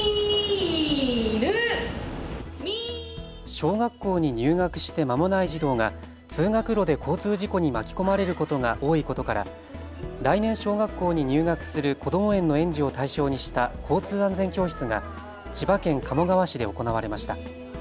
小学校に入学してまもない児童が通学路で交通事故に巻き込まれることが多いことから来年小学校に入学するこども園の園児を対象にした交通安全教室が千葉県鴨川市で行われました。